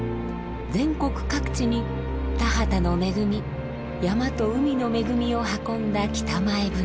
全国各地に田畑の恵み山と海の恵みを運んだ北前船。